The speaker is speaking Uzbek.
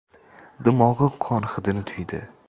Dimog‘i qon hidini tuydi.